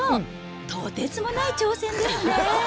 とてつもない挑戦ですね。